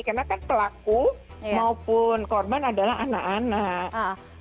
karena kan pelaku maupun korban adalah anak anak